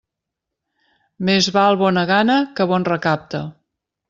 Més val bona gana que bon recapte.